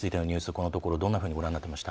このところ、どんなふうにご覧になっていました？